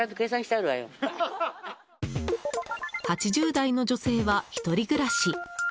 ８０代の女性は１人暮らし。